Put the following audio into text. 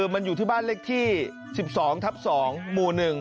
มันอยู่ที่บ้านเลขที่๑๒ทับ๒หมู่๑